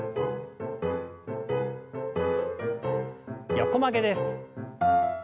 横曲げです。